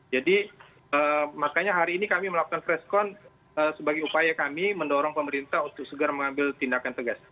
jadi makanya hari ini kami melakukan fresh count sebagai upaya kami mendorong pemerintah untuk segera mengambil tindakan tegas